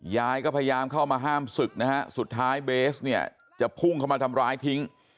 ยายก็พยายามเข้ามาห้ามศึกนะฮะสุดท้ายเบสเนี่ยจะพุ่งเข้ามาทำร้ายทิ้ง